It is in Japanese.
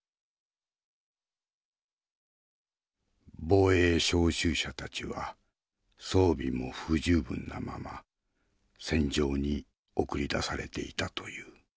防衛召集者たちは装備も不十分なまま戦場に送り出されていたという。